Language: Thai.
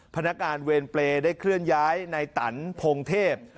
พนักงานเวรเปรย์ได้เคลื่อนย้ายในตันพงเทพ